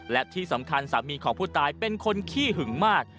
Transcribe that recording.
และที่สำคัญสามีของผู้ตายเป็นคนขี้หึงมาก